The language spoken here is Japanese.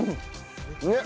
ねっ？